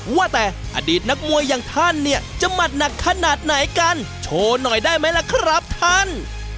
ว่าแต่อดีตนักมวยอย่างท่านเนี่ยจะหมัดหนักขนาดไหนกันโชว์หน่อยได้ไหมล่ะครับท่าน